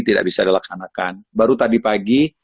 tidak bisa dilaksanakan baru tadi pagi